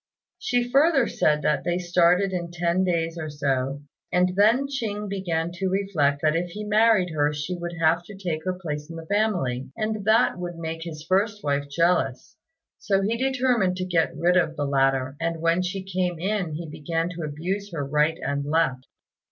She further said that they started in ten days or so, and then Ching began to reflect that if he married her she would have to take her place in the family, and that would make his first wife jealous; so he determined to get rid of the latter, and when she came in he began to abuse her right and left.